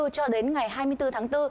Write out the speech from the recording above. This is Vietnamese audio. cho đến ngày hai mươi bốn tháng bốn